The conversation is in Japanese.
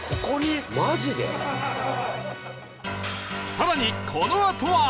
更にこのあとは